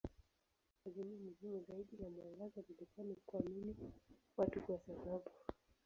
Azimio muhimu zaidi la mwangaza lilikuwa ni kuamini watu kwa sababu.